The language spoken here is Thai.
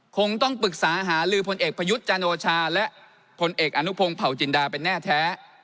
คงต้องปรึกษาหาลือพลเอกประยุทธ์จันโอชาและผลเอกอนุพงศ์เผาจินดาเป็นแน่แท้